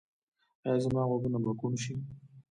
ایا زما غوږونه به کڼ شي؟